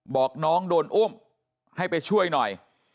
บอกน้องโดนอุ้มให้ไปช่วยหน่อย